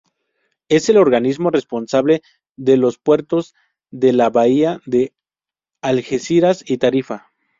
Es el organismo responsable de los puertos de la bahía de Algeciras y Tarifa.